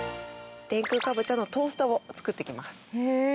天空かぼちゃのトーストを作っていきます。